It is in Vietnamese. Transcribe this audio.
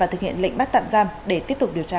thực hiện lệnh bắt tạm giam để tiếp tục điều tra